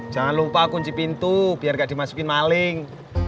jangan lupa kunci pintu biar gak dimasukin maling